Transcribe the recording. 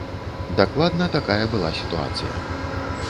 Дакладна такая была сітуацыя.